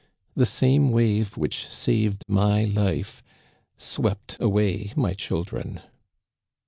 The same wave which saved my life swept away my children."